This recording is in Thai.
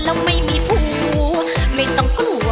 แล้วไม่มีผู้รู้ไม่ต้องกลัว